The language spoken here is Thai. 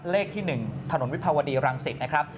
เลขที่๑ถนนวิภาวดีรังสิตนะครับ